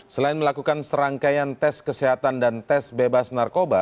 selain melakukan serangkaian tes kesehatan dan tes bebas narkoba